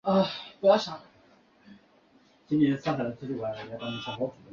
检察机关围绕大局抓的工作与总书记的要求完全吻合